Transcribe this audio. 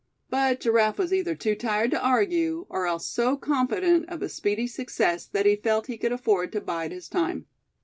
But Giraffe was either too tired to argue, or else so confident of a speedy success that he felt he could afford to bide his time.